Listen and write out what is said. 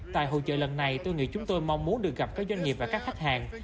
tại hội trợ lần này tôi nghĩ chúng tôi mong muốn được gặp các doanh nghiệp và các khách hàng